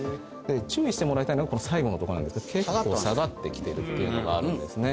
注意してもらいたいのがこの最後のとこなんですけど結構下がって来てるっていうのがあるんですね。